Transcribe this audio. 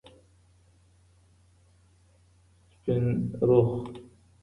سپینرخ